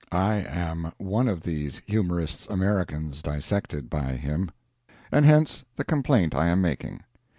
I am one of these humorists American dissected by him, and hence the complaint I am making.